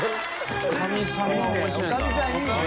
いいね女将さんいいね。